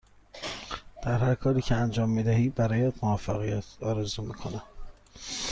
در هرکاری که انجام می دهی برایت موفقیت آرزو می کنم.